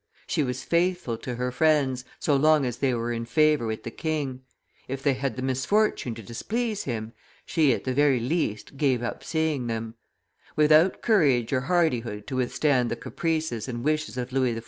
She was faithful to her friends, so long as they were in favor with the king; if they had the misfortune to displease him, she, at the very least, gave up seeing them; without courage or hardihood to withstand the caprices and wishes of Louis XIV.